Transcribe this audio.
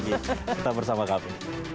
kita bersama kami